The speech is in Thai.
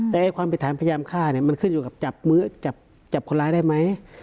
แต่ความผิดฐานพยายามฆ่ามันขึ้นอยู่กับจับมือจับคนร้ายได้ไหม